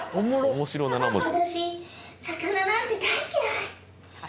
面白７文字。